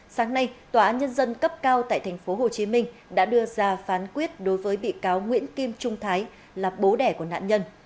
sáng nay tòa án nhân dân cấp cao tại tp hcm đã đưa ra phán quyết đối với bị cáo nguyễn kim trung thái là bố đẻ của nạn nhân